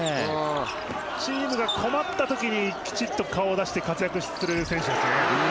チームが困った時にきちんと顔を出して活躍する選手ですね。